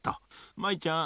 舞ちゃん